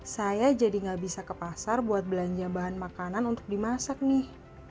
saya jadi nggak bisa ke pasar buat belanja bahan makanan untuk dimasak nih